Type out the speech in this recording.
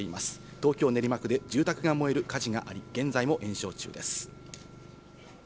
東京・練馬区で住宅が燃える火事があり、現在も延焼中です。